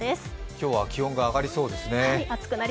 今日は気温が上がりそうですね。